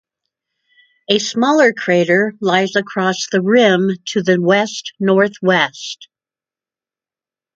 A smaller crater lies across the rim to the west-northwest.